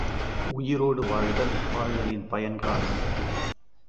உயிரோடு வாழ்தல், வாழ்தலின் பயன் காண!